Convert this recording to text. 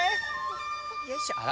よいしょ。